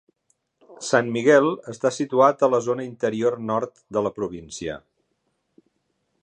San Miguel està situat a la zona interior nord de la província.